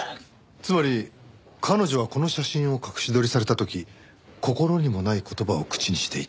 つまり彼女はこの写真を隠し撮りされた時心にもない言葉を口にしていた？